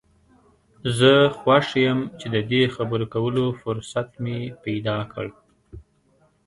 زه خوښ یم چې د دې خبرو کولو فرصت مې پیدا کړ.